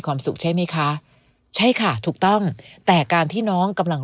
สุขใช่ไหมคะใช่ค่ะถูกต้องแต่การที่น้องกำลัง